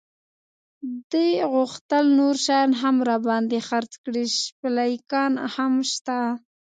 دې غوښتل نور شیان هم را باندې خرڅ کړي، شپلېکان هم شته.